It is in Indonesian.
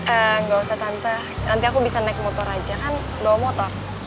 eh gak usah tante nanti aku bisa naik motor aja kan dua motor